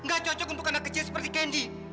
gak cocok untuk anak kecil seperti kendi